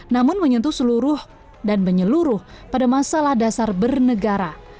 namun menyentuh seluruh dan menyeluruh pada masalah dasar bernegara